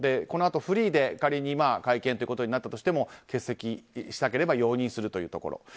このあとフリーで仮に会見ということになったとしても欠席したければ容認するというところ。